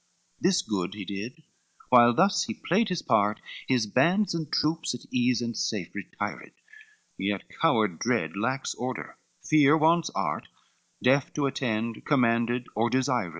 CXIV This good he did, while thus he played his part, His bands and troops at ease, and safe, retired; Yet coward dread lacks order, fear wants art, Deaf to attend, commanded or desired.